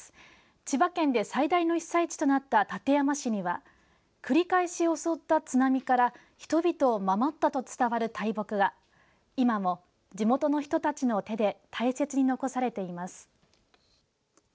千葉県で最大の被災地となった館山市には繰り返し襲った津波から人々を守ったと伝わる大木が今も地元の人たちの手で大切に残されています。